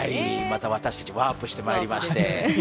また私たち、ワープしてまいりまして。